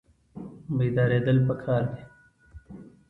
بیداریدل پکار دي